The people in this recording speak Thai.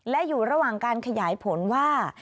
และอยู่ระหว่างการขยายผลว่า